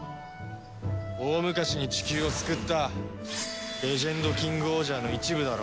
大昔にチキューを救ったレジェンドキングオージャーの一部だろ。